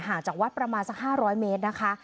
จากวัดประมาณสัก๕๐๐เมตรนะคะ